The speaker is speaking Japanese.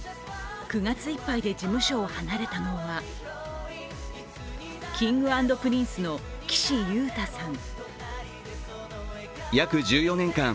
９月いっぱいで事務所を離れたのはＫｉｎｇ＆Ｐｒｉｎｃｅの岸優太さん。